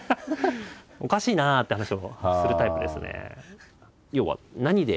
「おかしいな」って話をするタイプですね。